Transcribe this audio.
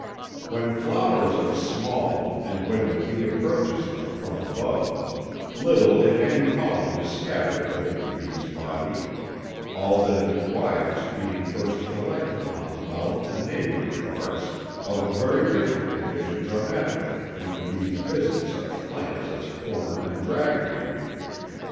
When flowers are small and when the bee approaches them from above, little, if any, pollen is scattered over the bee's body, all that it acquires being first collected upon the mouth and neighboring parts, of a Very different conditions are met with when bees visit such plants as corn and ragweed.